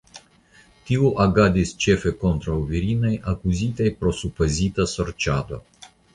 Tiu agadis ĉefe kontraŭ virinoj akuzitaj pro supozita sorĉado.